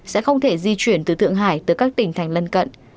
sẽ không thể di chuyển từ thượng hải tới các tỉnh thành lân cận